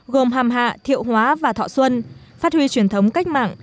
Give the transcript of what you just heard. gồm hàm hạ thiệu hóa và thọ xuân phát huy truyền thống cách mạng